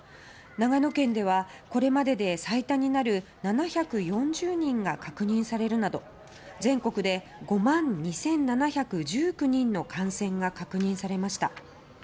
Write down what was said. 長野県ではこれまでで最多になる７４０人が確認されるなど全国で５万２７１９人の感染が確認されました。